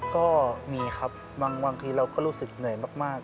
ก็มีครับบางทีเราก็รู้สึกเหนื่อยมาก